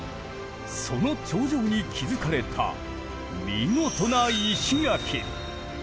その頂上に築かれた見事な石垣。